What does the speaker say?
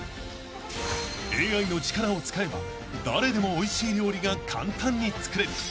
［ＡＩの力を使えば誰でもおいしい料理が簡単に作れる］